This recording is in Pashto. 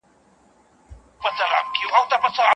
حق د باطل په وړاندي لکه غر ولاړ دی.